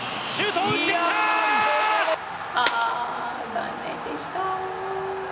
残念でした。